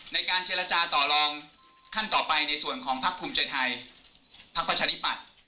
ในการเจรจาต่อลองขั้นต่อไปในส่วนของพักภูมิใจไทยพักประชาธิปัตย์